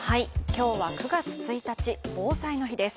今日は９月１日、防災の日です。